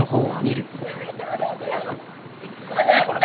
離して！